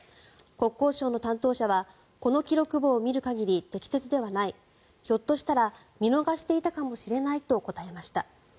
国交省の担当者はこの記録簿を見る限り適切ではないひょっとしたら見逃していたかもしれないと答えました。